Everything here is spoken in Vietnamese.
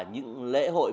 những lễ hội